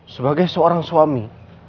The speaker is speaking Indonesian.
sebagai seorang suami